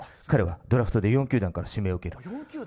彼はドラフトで４球団から指名を受けた。